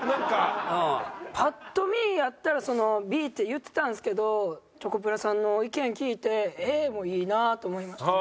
パッと見やったらそのＢって言ってたんですけどチョコプラさんの意見聞いてＡもいいなって思いましたね。